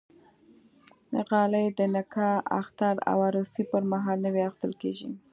غالۍ د نکاح، اختر او عروسي پرمهال نوی اخیستل کېږي.